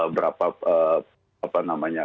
berapa apa namanya